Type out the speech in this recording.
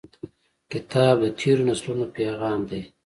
کتاب د تیرو نسلونو پیغام دی.